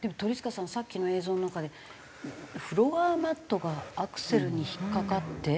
さっきの映像の中でフロアマットがアクセルに引っかかって？